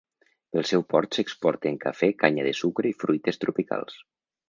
Pel seu port s'exporten cafè, canya de sucre i fruites tropicals.